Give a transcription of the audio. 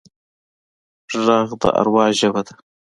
غږ د اروا ژبه ده